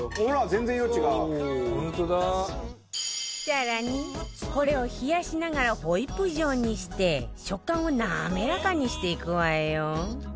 更にこれを冷やしながらホイップ状にして食感を滑らかにしていくわよ